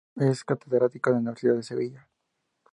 Es catedrático de la Universidad de Sevilla.